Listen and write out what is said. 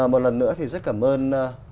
một lần nữa thì rất cảm ơn